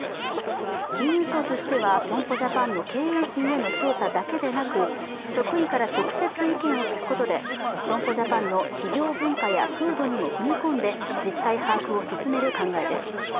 金融庁としては損保ジャパンの経営陣の調査だけでなく、職員から直接意見を聞くことで、損保ジャパンの企業文化や風土にも踏み込んで実態把握を進める考えです。